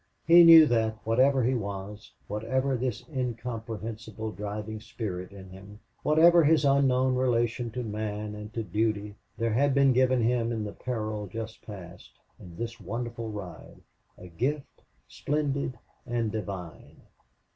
He knew that, whatever he was, whatever this incomprehensible driving spirit in him, whatever his unknown relation to man and to duty, there had been given him in the peril just passed, in this wonderful ride, a gift splendid and divine.